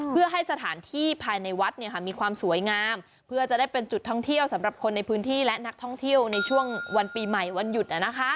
เพื่อให้สถานที่ภายในวัดมีความสวยงามเพื่อจะได้เป็นจุดท่องเที่ยวสำหรับคนในพื้นที่และนักท่องเที่ยวในช่วงวันปีใหม่วันหยุด